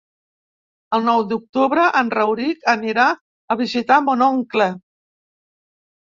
El nou d'octubre en Rauric anirà a visitar mon oncle.